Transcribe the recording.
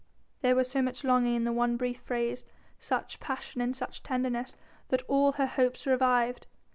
There was so much longing in the one brief phrase, such passion and such tenderness, that all her hopes revived.